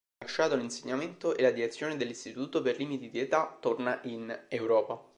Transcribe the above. Lasciato l'insegnamento e la direzione dell'Istituto, per limiti di età, torna in Europa.